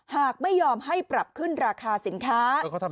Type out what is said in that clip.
หากไม่ยอมให้ปรับขึ้นราคาสินค้า